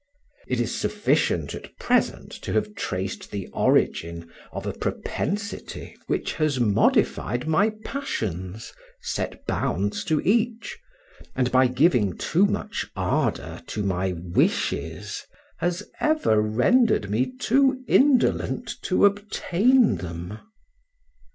It is sufficient, at present, to have traced the origin of a propensity which has modified my passions, set bounds to each, and by giving too much ardor to my wishes, has ever rendered me too indolent to obtain them.